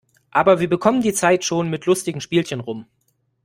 Aber wir bekommen die Zeit schon mit lustigen Spielchen rum.